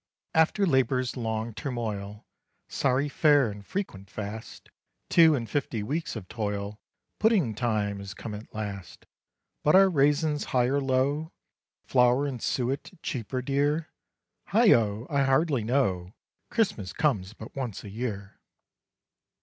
"After labor's long turmoil, Sorry fare and frequent fast, Two and fifty weeks of toil, Pudding time is come at last! But are raisins high or low, Flour and suet cheap or dear? Heigho! I hardly know Christmas comes but once a year.